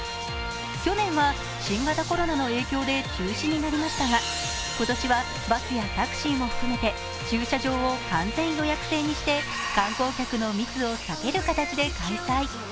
去年は新型コロナの影響で中止になりましたが今年はバスやタクシーも含めて駐車場を完全予約制にして観光客の密を避ける形で開催。